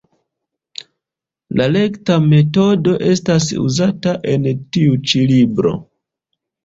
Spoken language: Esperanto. La rekta metodo estas uzata en tiu ĉi libro.